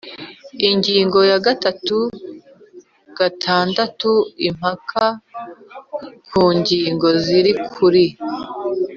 Ingingo ya gatatu gatandatu Impaka ku ngingo ziri kuri